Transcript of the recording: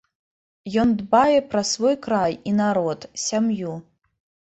Ён дбае пра свой край і народ, сям'ю.